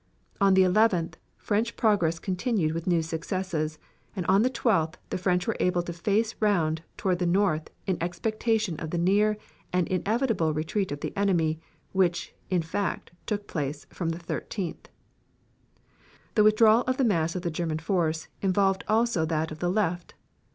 On the 11th French progress continued with new successes, and on the 12th the French were able to face round toward the north in expectation of the near and inevitable retreat of the enemy, which, in fact, took place from the 13th. The withdrawal of the mass of the German force involved also that of the left.